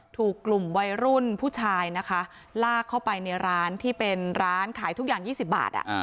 ถูกกลุ่มวัยรุ่นผู้ชายนะคะลากเข้าไปในร้านที่เป็นร้านขายทุกอย่าง๒๐บาท